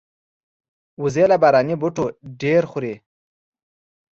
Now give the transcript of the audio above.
وزې له باراني بوټي ډېر خوري